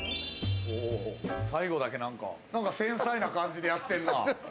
最後だけ、なんか繊細な感じでやってんな。